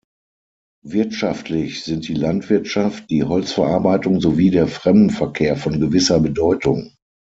Wirtschaftlich sind die Landwirtschaft, die Holzverarbeitung sowie der Fremdenverkehr von gewisser Bedeutung.